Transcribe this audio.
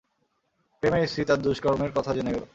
প্রেমের স্ত্রী তার দুষ্কর্মের কথা জেনে গেল।